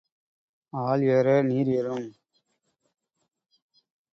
ஆள் ஏற நீர் ஏறும்.